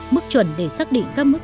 mức chuẩn để xác định các mức